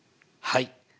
はい。